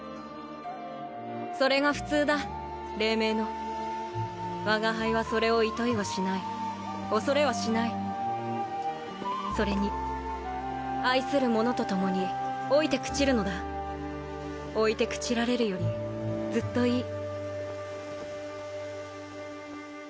それが普通だ黎明の我が輩はそれをいといはしない恐れはしないそれに愛するものとともに老いて朽ちるのだ老いて朽ちられるよりずっといい